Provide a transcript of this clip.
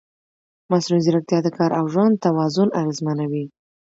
مصنوعي ځیرکتیا د کار او ژوند توازن اغېزمنوي.